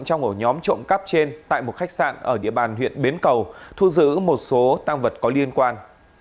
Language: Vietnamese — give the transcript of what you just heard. trong ổ nhóm trộm cắp trên tại một khách sạn ở địa bàn huyện bến cầu thu giữ một số tăng vật có liên quan